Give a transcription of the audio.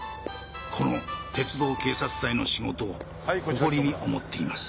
この鉄道警察隊の仕事を誇りに思っています